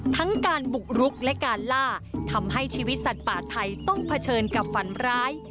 ทั้งการบุกรุกและการล่าทำให้ชีวิตสัตว์ป่าไทยต้องเผชิญกับฝันร้าย